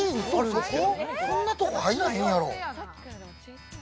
そんなとこ入れへんやろ。